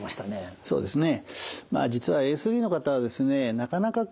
そうですね。